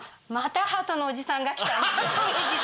「ハトのおじさんがきた」！